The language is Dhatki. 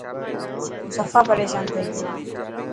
هون سفا پريشان ٿي گيو هان.